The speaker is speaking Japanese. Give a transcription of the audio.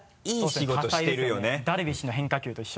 ダルビッシュの変化球と一緒！